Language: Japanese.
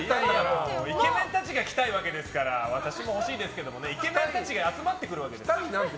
イケメンたちが来たいわけですから私も欲しいですけどイケメンたちが集まってくるわけです。